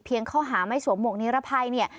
เพียงเข้าหาไม่สวมโหมกนิรภัยเนี่ย